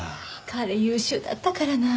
彼優秀だったからなあ。